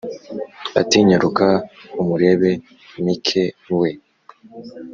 ati"nyaruka umurebe mike we!"